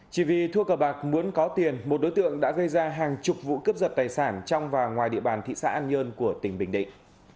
chỉ vì thua cờ bạc muốn có tiền một đối tượng đã gây ra hàng chục vụ cướp giật tài sản trong và ngoài địa bàn thị xã an nhơn của tỉnh bình định